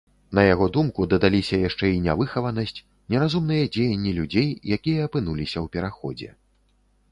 На яго думку, дадаліся яшчэ і нявыхаванасць, неразумныя дзеянні людзей, якія апынуліся ў пераходзе.